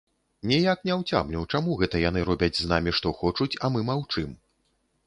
Ніяк не ўцямлю, чаму гэта яны робяць з намі што хочуць, а мы маўчым.